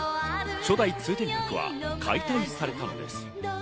初代・通天閣は解体されたのです。